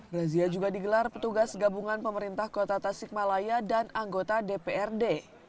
razia juga digelar petugas gabungan pemerintah kota tasikmalaya dan anggota dprd